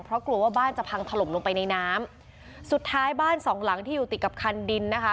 เพราะกลัวว่าบ้านจะพังถล่มลงไปในน้ำสุดท้ายบ้านสองหลังที่อยู่ติดกับคันดินนะคะ